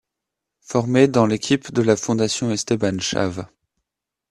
Formé dans l'équipe de la Fondation Esteban Chaves.